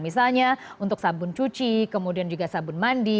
misalnya untuk sabun cuci kemudian juga sabun mandi